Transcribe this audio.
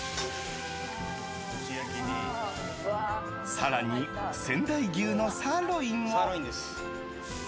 更に仙台牛のサーロインを。